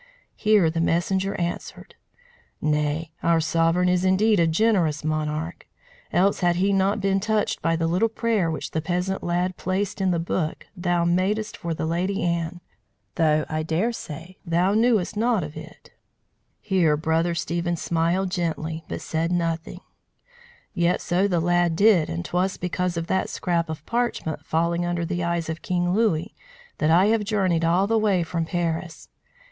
Here the messenger answered: "Nay, our sovereign is indeed a generous monarch! Else had he not been touched by the little prayer which the peasant lad placed in the book thou madest for the Lady Anne. Though I dare say thou knewest naught of it" (here Brother Stephen smiled gently, but said nothing), "yet so the lad did. And 'twas because of that scrap of parchment falling under the eyes of King Louis, that I have journeyed all the way from Paris.